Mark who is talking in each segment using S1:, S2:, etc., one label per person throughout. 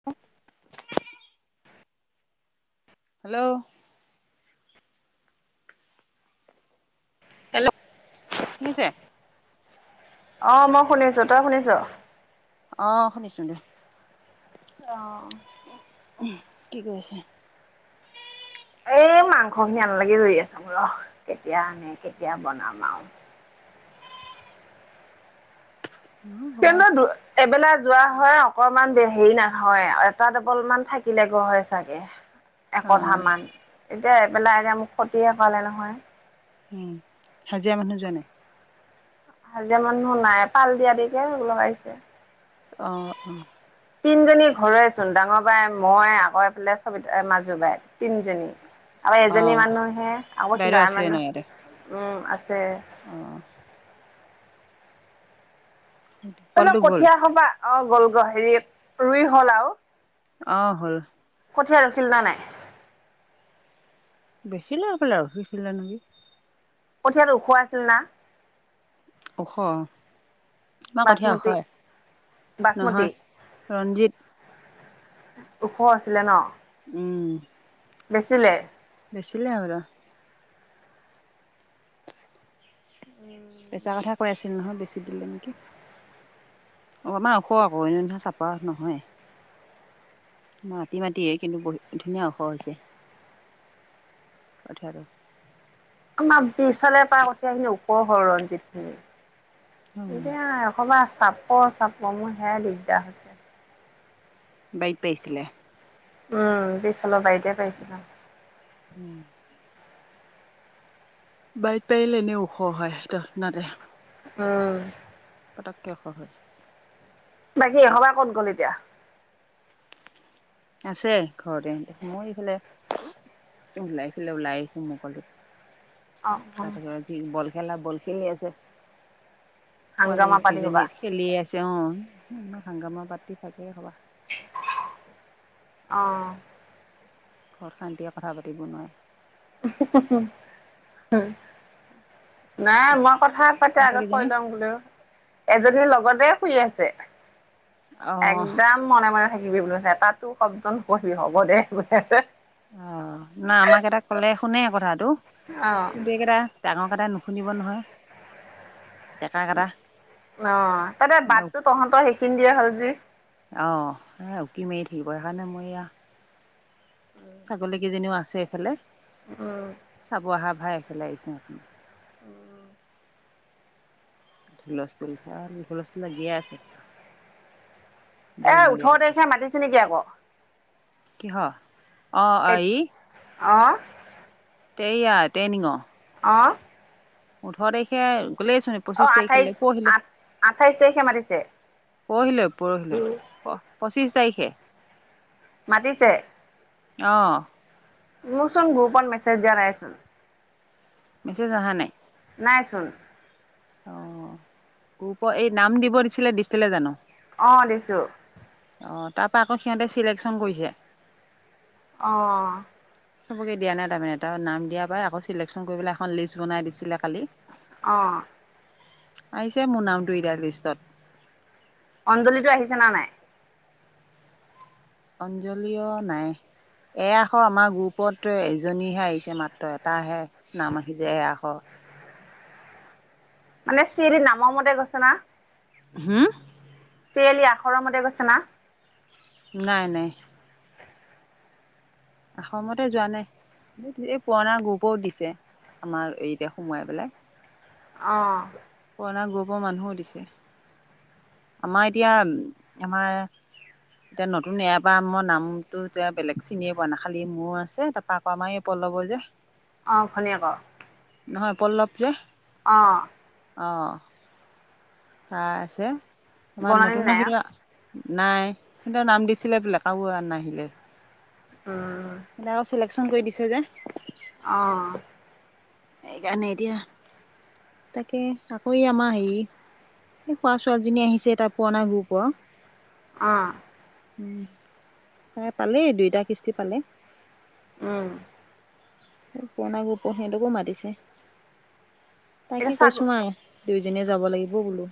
S1: [unintelligible] Hello.
S2: Hello.
S1: শুনিছে?
S2: অ', মই শুনিছোঁ, তই শুনিছ?
S1: অ', শুনিছোঁ দে।
S2: অ'।
S1: কি কৰিছে?
S2: মাংস [unintelligible] আছ ৰ কেতিয়া আনে কেতিয়া বনাম আৰু।
S1: নহয় কবা
S2: কিন্ত, এবেলা যোৱা হয় আৰু। অকণমান হেৰি নহয়, এটা ডবল মান থাকিলেগৈ হয় চাগে।
S1: অ
S2: একঠা মান, এতিয়া এবেলাই এতিয়া মোক ক্ষতিহে কৰালে নহয়।
S1: উম, হাজিৰা মানুহ যোৱা নাই?
S2: হাজিয়া মানুহ নাই, পাল দিয়া দিয়িকেই লগাইছে।
S1: অ', অ'।
S2: তিনিজনী ঘৰৰেই চোন, ডাঙৰ বাই মই আকৌ এইফালে চব, মাজু বাই, তিনিজনী। আকৌ
S1: অ
S2: এইজনী মানুহ হে, আকৌ কিবা
S1: বাইদেউ আছে ন
S2: মানুহ,
S1: ইয়াতে
S2: উম আছে।
S1: অ'। সেইটো
S2: কঠীয়া সোপা, অ', গ'লগৈ, হেৰি ৰুই হ'ল আৰু।
S1: অ', হ'ল।
S2: কঠিয়া আছিল না নাই
S1: বেছিলে হৈ পলাই আৰু সিঁছিলে নেকি
S2: কঠিয়া টো ওখ আছিল না
S1: ওখ তোমাৰ কঠীয়া ওখ
S2: বাচমতি বাচমতি
S1: নহয় ৰঞ্জিত।
S2: ওখ আছিলে ন
S1: উম
S2: বেছিলে
S1: বেছিলে হ'বলা
S2: উম
S1: পেচাৰ কথা কৈ আছিল নহয় বেছি দিলে নেকি। অ আমাৰ ওখ আকৌ এনেদিনা চাপ নহয়। মাটি মাটিয়েই এইখিনি কিন্তু বহুত ধুনীয়া ওখ হৈছে। কঠিয়া আৰু
S2: আমাৰ বিশফালে পৰা কঠিয়া আহি ওপৰহৰ ৰঞ্জিত খিনি
S1: অ
S2: এতিয়া এসবাৰ চাপ চাপ মোৰ সেয়াই দিগদাৰ হৈছে।
S1: বাৰীত পাইছিলে।
S2: উম পিছফালৰ বাৰীতে পাইছিলে।
S1: উম বাৰীত পাৰিলে এনে ওখ হয় ততসনাতে
S2: উম
S1: পটককৈ ওখ হয়।
S2: বাকী এসবাৰ ক'ত গ'ল এতিয়া
S1: আছে ঘৰতে মই এইফালে ওলাই সেইফলে ওলাই আহিছোঁ মকলিত।
S2: অ অ
S1: তাতেই বল খেলা বল খেলি আছে।
S2: হাংগামা
S1: পোৱালিছ
S2: পাতি
S1: কেইজনী
S2: হ'বা
S1: খেলি আছে অ আম হাগামা পাতি থাকে সবা
S2: অ
S1: ঘৰত শান্তিয়ে কথা পাতিব নোৱাৰে।
S2: হম নাই মই কথা পাতা
S1: ইহঁতে
S2: আগত কৈ
S1: কেইজনী
S2: লম বোলেও এজনীৰ লগতে শুই আছে
S1: অ
S2: একদম মনে মনে থাকিবি বুলি সেতাতো শব্দ নপঢ়ি হ'ব দেই বো
S1: অ না আমাৰ কেইটাক ক'লে শুনে কথাটো।
S2: অ
S1: কিন্তু এইকেইটা ডাঙৰ কেইটাই নুশুনিব নহয়। ডেকা কেইটা
S2: অ তাতে বাটটো তহঁতৰ সেইখিনি দিয়ে হ'ল যি
S1: অ এ উকি মাৰি থাকিব সেইকাৰণে মই এইয়া
S2: উম
S1: চাগলী কেইজনীও আছে এইফালে
S2: উম
S1: চাব অহা ভাই এইফালে আহিছোঁ
S2: উম
S1: হুলস্থুল ভাল হুলস্থুল লাগিয়ে আছে। বৰ
S2: এই ওঠৰ তাৰিখে মাতিছে নিকি আকৌ
S1: কিহৰ অঁ এই,
S2: অঁ
S1: তেয়িয়া তেইনিঙৰ,
S2: অ
S1: ওঠৰ তাৰিখে গ'লেই চোন।
S2: অ',
S1: পঁচিশ
S2: আঠাইশ
S1: তাৰিখলৈ পৰহিলৈ
S2: আঠ আঠাইশ তাৰিখে মাতিছে,
S1: পৰহিলৈ পৰহিলৈ প পঁচিছ তাৰিখে।
S2: মাতিছে
S1: অ
S2: মোৰ চোন গ্ৰুপত মেছেজ দিয়া নাইচোন।
S1: মেচেজ আহা নাই।
S2: নাই চোন
S1: অ গ্ৰূপ এই নাম দিব দিছিলে দিছিলে জানো।
S2: অ দিছো।
S1: অঁ তাৰপা আকৌ সিহঁতে চিলেকশ্যন কৰিছে।
S2: অ
S1: চবকে দিয়া নাই তাৰমানে নাম দিয়া পাই আকৌ চিলেকশন কৰি পেলাই এখন লিষ্ট বনাই দিছিলে কালি।
S2: অঁ
S1: আহিছে মোৰ নামটো এতিয়া লিষ্টত।
S2: অঞ্জলিটো আহিছে না নাই?
S1: অঞ্জলি অ নাই। এ আখৰৰ আমাৰ গ্ৰুপত এজনীহে আহিছে মাত্ৰ এটাহে। নাম আহিছে এ আখৰ।
S2: মানে চিৰিয়েলি নামৰ মতে গৈছে না?
S1: হোম,
S2: চিৰিয়েলি আখৰৰ মতে গৈছে না?
S1: নাই নাই। অআগৰৰ মতে যোৱা নাই এই পুৰণা গ্ৰোপও দিছে আমাৰ এইতে সোমোৱাই পেলাই।
S2: অ
S1: পুৰণা গ্ৰূপৰ মানুহো দিছে আমাৰ এতিয়া আমাৰ। এতিয়া নতুন এয়াপা মই নামটো এতিয়া বেলেগ চিনিয়ে পোৱা না খালি মোৰ আছে তাৰপ, পা আমাৰ এই পল্লবৰ যে,
S2: অ ভনীয়েকৰ,
S1: নহয় পল্লৱ যে,
S2: অ
S1: অ তাৰ আছে আমাৰ
S2: বৰ্ণালী
S1: নতুন
S2: নাই আ?
S1: ভিতৰত, নাই সিহঁতৰ নাম দিছিলে বোলে কাৰো নাম নাহিলে।
S2: উম
S1: নাম চিলেকছন কৰি দিছে যে।
S2: অ'
S1: সেইকাৰণে এতিয়া তাকে আকৌ এই আমাৰ হে, এই খোৱা ছোৱালজনী আহিছে এটা পুৰণা গ্ৰুপৰ।
S2: অ'
S1: তাই পালেই দুইটা কিস্তি পালে।
S2: উম।
S1: পুৰণা গোপ সিহঁতকো মাতিছে।
S2: এতিয়া
S1: তাকে
S2: ছাগ
S1: কৈছো [unintelligible] দুয়োজনীয়ে যাব লাগিব বোলো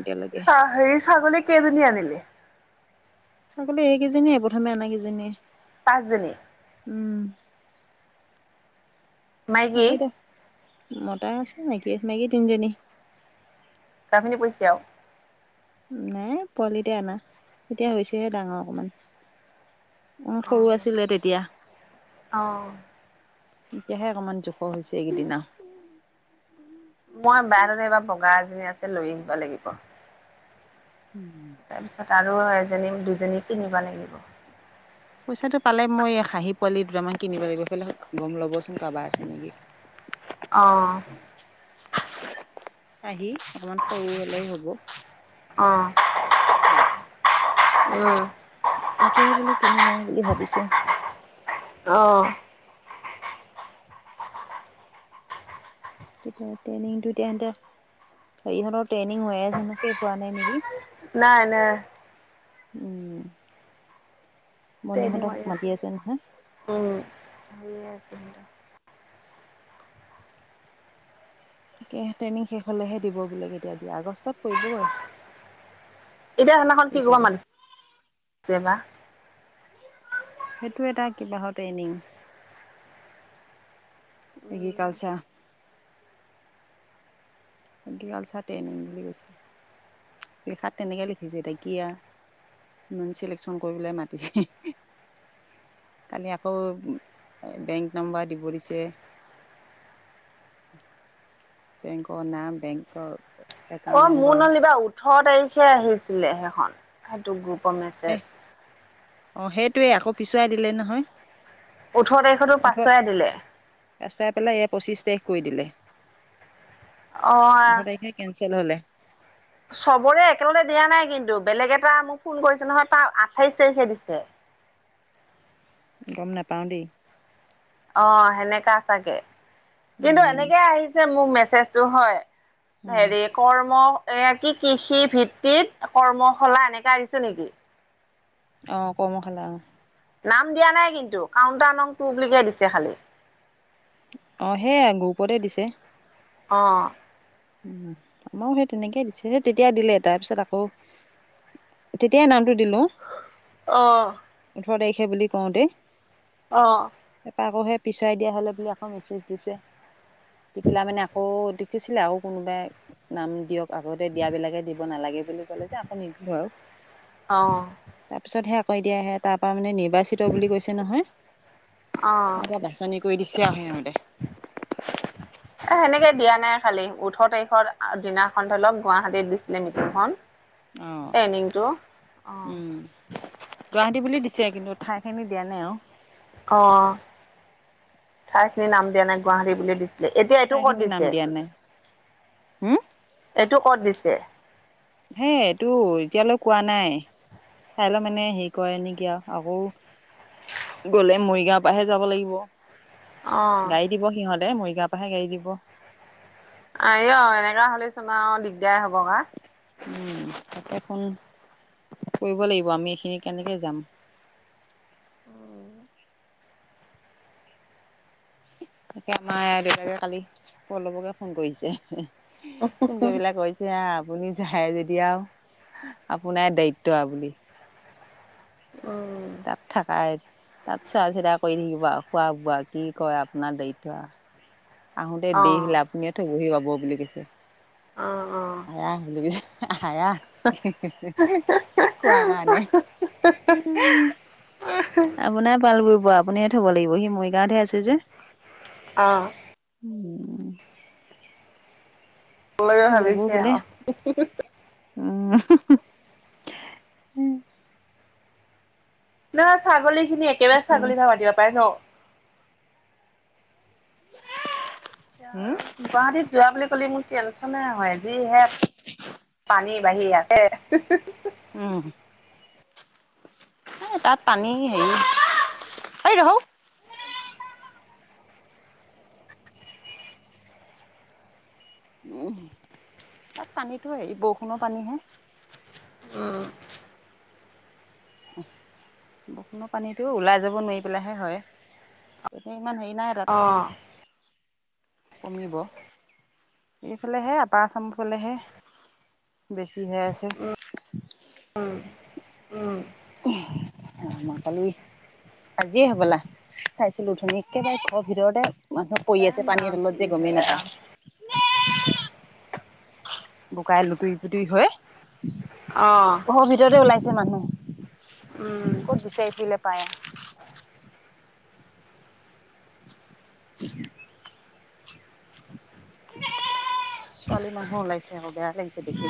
S1: এতিয়ালৈকে।
S2: ছা হেৰি ছাগলী কেইজনী আনিলি?
S1: ছাগলী এইকেইজনীয়ে, প্ৰথমে আনা কেইজনীয়ে।
S2: পাঁচজনী?
S1: উম আ,
S2: মাইকী
S1: কৈ দে, মতা আছে মাইকী, মাইকী তিনজনী।
S2: [unintelligible]
S1: নাই পোৱালিতে আনা, এতিয়া হৈছেহে ডাঙৰ অকমান। অ' সৰু আছিলে তেতিয়া।
S2: অ',
S1: এতিয়াহে অকমান জোখৰ হৈছে এইকেইদিনা।
S2: মই [unintelligible] এইবাৰ বগা এজনী আছে লৈ আহিব লাগিব।
S1: উম।
S2: তাৰপিছত আৰু এজনী, দুজনী কিনিব লাগিব।
S1: পইচাটো পালে মই খাহি পোৱালি দুটামান কিনিব লাগিব [unintelligible] ল'বচোন কাৰোবাৰ আছে নেকি।
S2: অ'।
S1: খাহি অকমান সৰু হ'লেও হ'ব।
S2: অ'। উম,
S1: তাকে বোলো কিনিম আৰু বুলি ভাবিছোঁ।
S2: অ'।
S1: তেতিয়া ট্ৰেইনিংটো [unintelligible] হেৰিহঁতৰ হৈ আছে, শেষ হোৱা নাই নেকি।
S2: নাই, নাই।
S1: উম। মণিহঁতক মাতি
S2: ট্ৰেইনিং
S1: আছে নহয়।
S2: হৈ আছে। উম।
S1: তাকে ট্ৰেমিং শেষ হ'লেহে দিব বোলে, কেতিয়া দিয়ে, আগষ্টত কৰিবগৈ।
S2: এতিয়া সিদিনাখন [unintelligible]
S1: সেইটো এটা কিবাহৰ ট্ৰেইনিং, এগ্ৰিকালচাৰ। এগ্ৰিকালচাৰ ট্ৰেইনিং বুলি কৈছে। লিখাত তেনেকে লিখিছে এতিয়া কি আ। ইমান চিলেকচন কৰি পেলাই মাতিছে। কালি আকৌ বেংক নাম্বাৰ দিব দিছে। বেংকৰ নাম, বেংকৰ একাউণ্ট
S2: অ' মোৰ
S1: নম্বৰ
S2: নলিবা ওঠৰ তাৰিখে আহিছিলে সেইখন, সেইটো গ্ৰুপৰ মে
S1: এ, অ'সেইটোৱে আকৌ পিছুৱাই দিলে নহয়।
S2: ওঠৰ তাৰিখৰটো পাছোৱাই দিলে।
S1: পাছোৱাই পেলাই এয়া পঁচিশ তাৰিখ কৰি দিলে। ওঠৰ
S2: অ'
S1: তাৰিখে কেনচেল হ'লে।
S2: চবৰে একেলগে দিয়া নাই কিন্তু বেলেগ এটা ফোন কৰিছে নহয় তাৰ আঠাইশ তাৰিখে দিছে।
S1: গম নাপাও দেই।
S2: অ' সেনেকা চাগে কিন্তু এনেকে আহিছে মোৰ মেছেজটো হয়। হেৰি কৰ্ম এ, কি কৃষি ভিত্তিত কৰ্মশালা এনেকা আহিছে নেকি?
S1: অ' কৰ্মশালা অ'।
S2: নাম দিয়া নাই কিন্তু কাউণ্টাৰ নং টু বুলিকে দিছে খালি।
S1: অ' সেয়া গ্ৰুপতে দিছে।
S2: অ'।
S1: অ' মইও সেই তেনেকে দিছে। তেতিয়া দিলে তাৰপিছত আকৌ তেতিয়াই নামটো দিলো
S2: অ'
S1: ওঠৰ তাৰিখে বুলি কওঁতেই
S2: অ'
S1: তাৰপৰা আকৌ সেই পিছুৱাই দিয়া হল বুলি আকৌ মেছেজ দিছে দি পেলা মানে আকৌ দেখিছিলে আৰু কোনোবাই নাম দিয়ক, আগতে দিয়াবিলাকে দিব নালাগে বুলি কলে যে আকৌ নিদিলো আৰু।
S2: অ'
S1: তাৰ পিছতে সেই আকৌ এতিয়া সে তাৰ পৰা মানে নিৰ্বাচ চিত বুলি কৈছে নহয়,
S2: অ'
S1: তাৰ পৰা বাছনি কৰি দিছে আৰু সিহঁতে।
S2: [inaudible] এ সেনেকে দিয়া নাই খালি, ওঠৰ তাৰিখৰ দিনাখন ধৰি লওক গুৱাহাটীত দিছিলে মিটিংখন
S1: অঁ
S2: ট্ৰেইনিংটো, অ'।
S1: গুৱাহাটী বুলি দিছে কিন্তু ঠাই খিনি দিয়া নাই আৰু।
S2: অ', ঠাই খিনি নাম দিয়া নাই গুৱাহাটী বুলি দিছে। এতিয়া এইটো ক'ত
S1: ঠাইখিনি নাম
S2: দিছে,
S1: দিয়া নাই হম,
S2: এইটো ক'ত দিছে।
S1: সেয়াইটো এতিয়ালৈ কোৱা নাই কাইলৈ মানে হেৰি কৰে নেকি আৰু, আকৌ গ'লে মৰিগাঁওৰ পৰাহে যাব লাগিব,
S2: অ
S1: গাড়ী দিব সিহঁতে, মৰিগাঁৱৰ পৰাহে গাড়ী দিব।
S2: আইও এনেকা হ'লেচোন আৰু দিগদাৰে হ'ব কা
S1: উম', তাকে ফোন কৰিব লাগিব, আমি এইখিনি কেনেকে যাম।
S2: উম'
S1: তাকে আমাৰ দেউতাকে কালি পল্লবকে ফোন কৰিছে ফোন কৰি পেলাই কৈ এতিয়া আপুনি যায় যদি আৰু আপোনাৰে দায়িত্ব বুলি
S2: অ'
S1: তাত থাকাই তাত চোৱা চিতা কৰি থাকিব আৰু খোৱা বোৱা কি কৰে আপোনাৰ দায়িত্ব আৰু আহোতে
S2: অ
S1: দেৰি হ'লে আপুনিয়ে থবহি পাব বুলি কৈছে।
S2: অ', অ'
S1: [unintelligible] আপোনাৰ পাল পৰিব
S2: অ
S1: আপুনিয়ে থ'ব লাগিব হি, মৰিগাঁৱতহে আছে যে।
S2: অ'।
S1: উম'
S2: [unintelligible]
S1: সি যাব
S2: ভাবিছে
S1: বোলে
S2: আৰু।
S1: উম'
S2: নহ ছাগলী খিনি একেবাৰে
S1: তাকে
S2: ছাগলী না [unintelligible] পাৰে ন।
S1: উম
S2: গুৱাহাটীত যোৱা বুলি ক'লে মোৰ টেনচনে হয় যিহে পানী বাঢ়ি আছে
S1: উম'। তাত পানী হেৰি [unintelligible] উম', তাত পানীটো হেৰি বৰষুণৰ পানীহে।
S2: উম,
S1: বৰষুনৰ পানীটো ওলাই যাব নোৱাৰি পেলাহে হয়, এতিয়া ইমান হেৰি
S2: অ',
S1: নাই [unintelligible] কমিব এইফালেহে আপাৰ আচামৰ ফালেহে বেছি হৈ আছে।
S2: উম, উম।
S1: [unintelligible] আজিয়ে হ'বলা, চাইছিলো অথনি একেবাৰে ঘৰৰ ভিতৰতে মানুহ পৰি আছে
S2: জানো
S1: পানীৰ
S2: আৰু
S1: তলত
S2: কি
S1: যে
S2: হয়
S1: গ'মেই নাপায়।
S2: আৰু।
S1: বোকাই লুটুৰি-পুটুৰি হৈ।
S2: অ'।
S1: ঘৰৰ ভিতৰতে ওলাইছে মানুহ
S2: উম,
S1: ক'ত বিচাৰিছিলে পায়। [inaudible] ছোৱালী মানুহ ওলাইছে আকৌ বেয়া লাগিছে দেখি।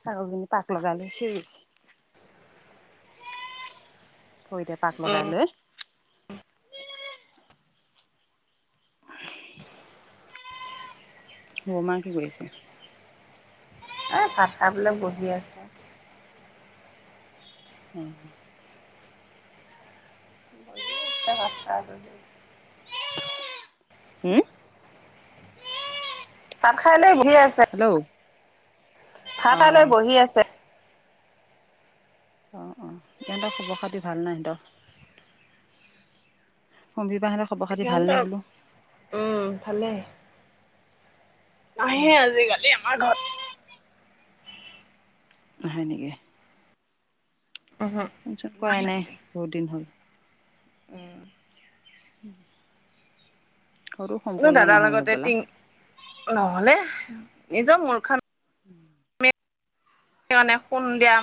S1: ছাগলজনী পাক লগাই লৈ [unintelligible] ভৰিতে পাক
S2: উম।
S1: লগাই লৈ। বৰমা কি কৰি আছে?
S2: এ ভাত খাই পেলাই বহি আছে।
S1: উম।
S2: [unintelligible]
S1: হুম
S2: ভাত খাই লৈ বহি আছে।
S1: হেল্ল'? অ
S2: ভাত খাই লৈ বহি আছে।
S1: অ', অ', ইহঁতৰ খবৰ-খাতি ভাল নে ইহঁতৰ? [unintelligible] ভালনে
S2: সিহঁতক
S1: বোলো
S2: উম, ভালেই। নাহে আজিকালি আমাৰ ঘৰত।
S1: নাহে নেকি?
S2: উহু,
S1: ফোনচোন কৰাই
S2: নাহে
S1: নাই
S2: আজিকালি।
S1: বহুত দিন হ'ল।
S2: উম।
S1: উম।
S2: দাদাৰ
S1: নহ'ল
S2: লগতে
S1: হ'বলা
S2: টিং নহ'লে নিজৰ মূৰ্খা
S1: উম।
S2: [unintelligible]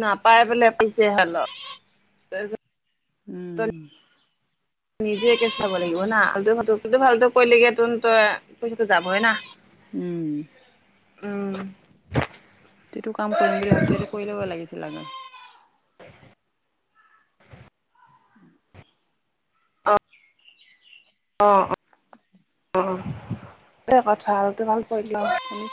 S2: নাপাই বোলে পিছে হ'ল তাৰপিচত
S1: উম।
S2: নিজে একে চাব লাগিব না [unintelligible] পইচাটো যাবই না।
S1: উম।
S2: উম।
S1: যিটো কাম কৰিম বুলি ভাবিছো সেইটো কৰি ল'ব লাগিছিল আগে।
S2: অ', অ', এই কথা আৰু তো ভাল কৰি ল
S1: আমি